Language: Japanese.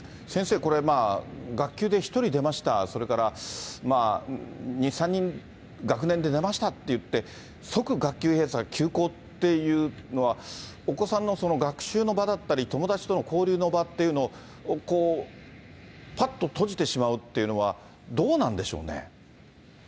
先生、これ、学級で１人出ました、それから、２、３人、学年で出ましたっていって、即学級閉鎖、休校っていうのは、お子さんの学習の場だったり、友達との交流の場っていうのをぱっと閉じてしまうっていうのは、どうなんでしょうね？